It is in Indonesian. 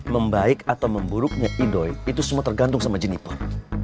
membaik atau memburuknya idoi itu semua tergantung sama jenipar